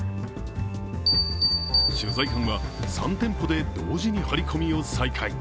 取材班は３店舗で同時にハリコミを再開。